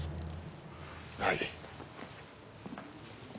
はい。